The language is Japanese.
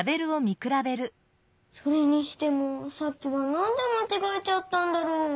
それにしてもさっきはなんでまちがえちゃったんだろう？